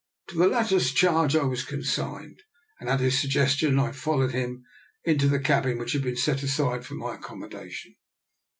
To the latter's charge I was consigned, and at his suggestion I followed him to the cabin which had been set aside for my accommo dation.